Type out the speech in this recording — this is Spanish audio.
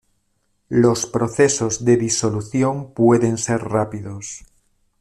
Los procesos de disolución pueden ser rápidos.